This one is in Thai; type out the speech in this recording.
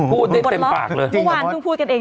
บอกแล้วเต็มปากเลยจริงหรือพอกอดล๊อค